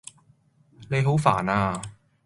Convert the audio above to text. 你好煩呀